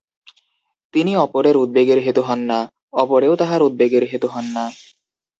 তিনি অপরের উদ্বেগের হেতু হন না, অপরেও তাঁহার উদ্বেগের হেতু হন না।